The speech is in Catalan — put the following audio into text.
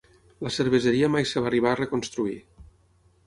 La cerveseria mai es va arribar a reconstruir.